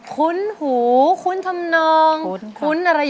กลับมาเลย